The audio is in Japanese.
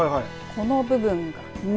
この部分が耳。